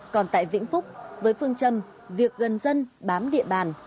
còn tại vĩnh phúc với phương châm việc gần dân bám địa bàn